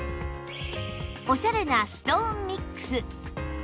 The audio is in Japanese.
オシャレなストーンミックス